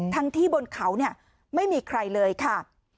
ที่บนเขาเนี่ยไม่มีใครเลยค่ะ